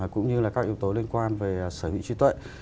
cũng như là các yếu tố liên quan về sở hữu trí tuệ